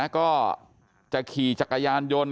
ก็จะขี่จักรยานยนต์